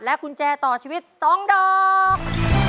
กุญแจต่อชีวิต๒ดอก